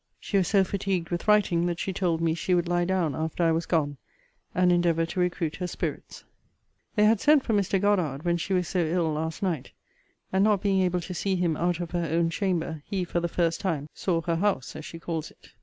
She was so fatigued with writing, that she told me she would lie down after I was gone, and endeavour to recruit her spirits. They had sent for Mr. Goddard, when she was so ill last night; and not being able to see him out of her own chamber, he, for the first time, saw her house, as she calls it.